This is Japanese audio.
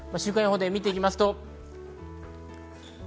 週間予報で見ていきます。